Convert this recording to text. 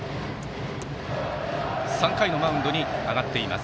３回のマウンドに上がっています